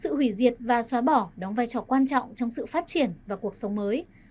sự hủy diệt và xóa bỏ đóng vai trò quan trọng trong sự phát triển và cuộc sống mới